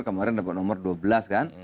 kemarin dapat nomor dua belas kan